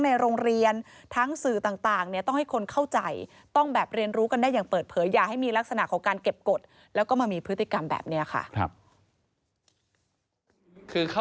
ในโรงเรียนทั้งสื่อต่างเนี่ยต้องให้คนเข้าใจต้องแบบเรียนรู้กันได้อย่างเปิดเผยอย่าให้มีลักษณะของการเก็บกฎแล้วก็มามีพฤติกรรมแบบนี้ค่ะ